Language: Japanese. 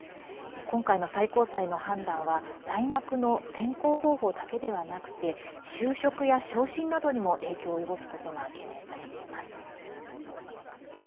今回の最高裁の判断は大学の選考方法だけではなくて就職や昇進などにも影響を及ぼすことが懸念されています。